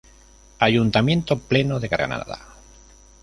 Ayuntamiento Pleno de Granada.